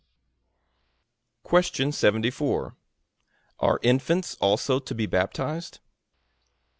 A.